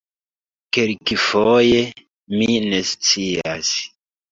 Kelkfoje... mi ne scias...